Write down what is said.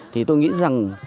thì tôi nghĩ rằng